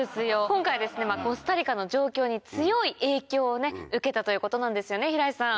今回コスタリカの状況に強い影響をね受けたということなんですよね平井さん。